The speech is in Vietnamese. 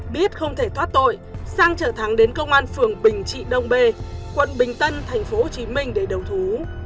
biết không thể thoát tội sang chở thắng đến công an phường bình trị đông bê quận bình tân tp hcm để đầu thú